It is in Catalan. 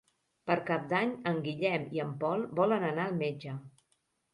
Per Cap d'Any en Guillem i en Pol volen anar al metge.